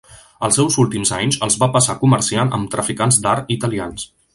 Els seus últims anys els va passar comerciant amb traficants d'art italians.